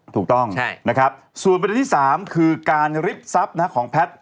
ถูกต้องนะครับส่วนประเด็นที่๓คือการริบทรัพย์ของแพทย์